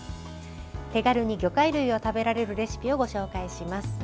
手軽に魚介類を食べられるレシピをご紹介します。